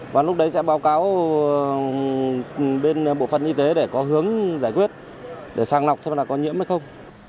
và lúc đấy sẽ báo cáo bên bộ phận y tế để có hướng giải quyết để sàng lọc xem là có nhiễm hay không